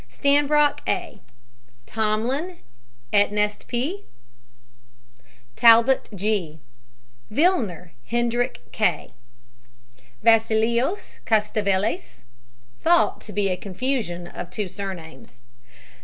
STANBROCKE, A. TOMLIN, ETNEST P. TALBOT, G. VILLNER, HENDRICK K. VASSILIOS, CATALEVAS (thought to be a confusion of two surnames).